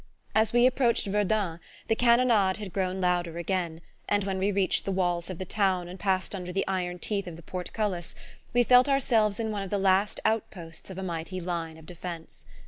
As we approached Verdun the cannonade had grown louder again; and when we reached the walls of the town and passed under the iron teeth of the portcullis we felt ourselves in one of the last outposts of a mighty line of defense.